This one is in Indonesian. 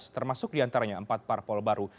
termasuk diantaranya empat parpol baru